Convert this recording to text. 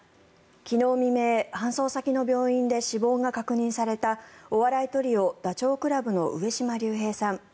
昨日未明、搬送先の病院で死亡が確認されたお笑いトリオ、ダチョウ倶楽部の上島竜兵さん。